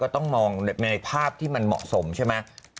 ต้องมองในภาพที่มันเหมาะสมใช่ไหม